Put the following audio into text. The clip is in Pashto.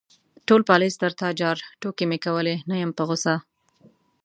_ټول پالېز تر تا جار، ټوکې مې کولې، نه يم په غوسه.